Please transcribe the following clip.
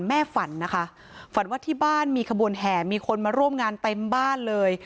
ฝันนะคะฝันว่าที่บ้านมีขบวนแห่มีคนมาร่วมงานเต็มบ้านเลย